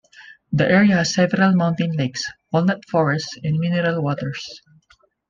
The area has several mountain lakes, walnut forests, and mineral waters.